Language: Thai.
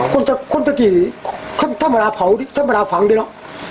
คนตะคนตะกี้คนธรรมดาเผาธรรมดาฝังดิเนอะ